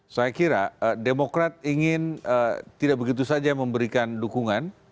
saya kira demokrat ingin tidak begitu saja memberikan dukungan